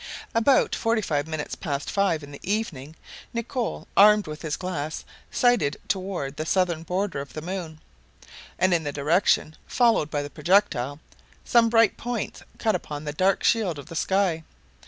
About forty five minutes past five in the evening, Nicholl, armed with his glass, sighted toward the southern border of the moon, and in the direction followed by the projectile, some bright points cut upon the dark shield of the sky.